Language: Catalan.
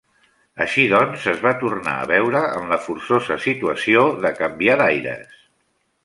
Així doncs, es va tornar a veure en la forçosa situació de canviar d'aires.